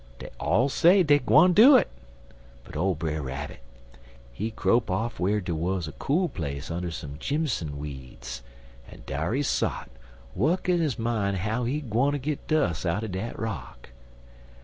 Dey all say dey gwine do it, but ole Brer Rabbit, he crope off whar der wuz a cool place under some jimson weeds, en dar he sot wukkin his mind how he gwineter git dus' out'n dat rock.